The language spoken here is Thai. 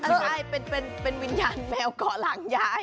ใช่เป็นวิญญาณแมวเกาะหลังยาย